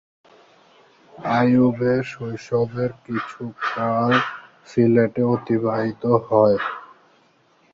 আইয়ুবের শৈশবের কিছুকাল সিলেটে অতিবাহিত হয়।